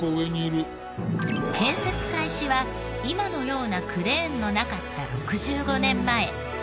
建設開始は今のようなクレーンのなかった６５年前。